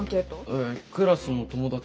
えクラスの友達。